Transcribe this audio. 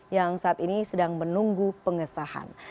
yang saat ini sedang menunggu pengesahan